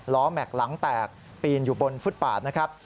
แม็กซ์หลังแตกปีนอยู่บนฟุตปาดนะครับ